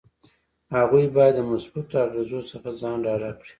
هغوی باید د مثبتو اغیزو څخه ځان ډاډه کړي.